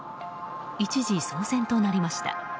一時、騒然となりました。